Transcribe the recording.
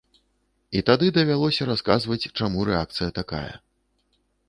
І тады давялося расказваць, чаму рэакцыя такая.